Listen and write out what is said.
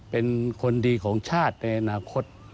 เป็นคนดีของชาติในอนาคต